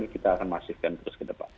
kita akan masifkan terus ke depan